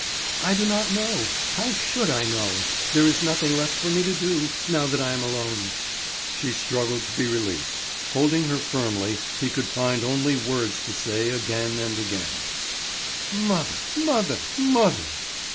"I do not know. How should I know—There is nothing left for me to do, now that I am alone." She struggled to be released. Holding her firmly, he could find only words to say again and again: "Mother, mother, mother!"